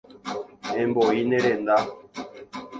Emboí ne renda.